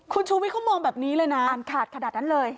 คุณชูวิทยเขามองแบบนี้เลยนะอ่านขาดขนาดนั้นเลย